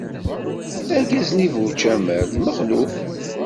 Argaz-nni bu ucamar d Mexluf.